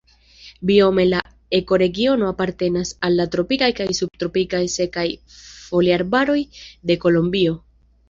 Biome la ekoregiono apartenas al la tropikaj kaj subtropikaj sekaj foliarbaroj de Kolombio.